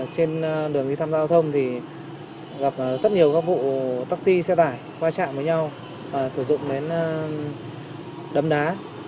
trên đường đi thăm giao thông thì gặp rất nhiều các vụ taxi xe tải qua chạm với nhau và sử dụng đến đấm đá